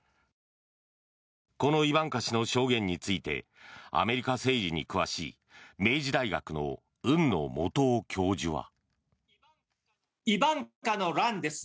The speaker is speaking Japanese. このイバンカ氏の証言についてアメリカ政治に詳しい明治大学の海野素央教授は。